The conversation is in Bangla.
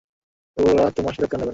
ওরা তোমার সাক্ষাৎকার নেবেন।